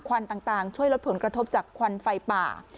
ควันต่างช่วยลดผลกระทบจากควันไฟป่า